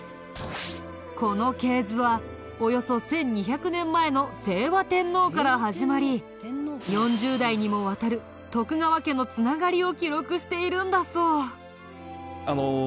この系図はおよそ１２００年前の清和天皇から始まり４０代にもわたる徳川家の繋がりを記録しているんだそう。